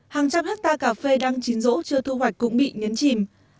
hàng trăm hectare cà phê đang chín rỗ chưa thu hoạch cũng bị nhấn chìm